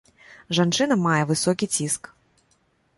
Жанчына мае высокі ціск.